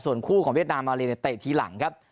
ส่วนคู่ของเวียดนามมาเลเนี่ยเตะทีหลังครับ